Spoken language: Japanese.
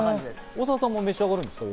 大沢さんも召し上がりますか？